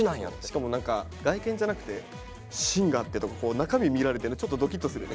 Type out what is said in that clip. しかも何か外見じゃなくて芯があってとか中身見られてるのちょっとドキッとするよね。